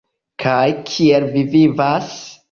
Kaj kiel vi vivas?